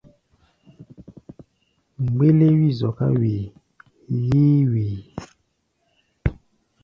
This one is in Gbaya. Mgbéléwi zɔká wee, yeé wee.